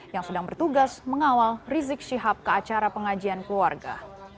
yang sedang bertugas mengawal rizik syihab ke acara pengajian keluarga